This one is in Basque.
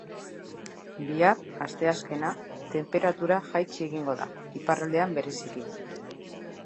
Bihar, asteazkena, tenperatura jaitsi egingo da, iparraldean bereziki.